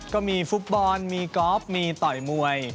ก็มีฟุตบอลมีกอล์ฟมีต่อยมวย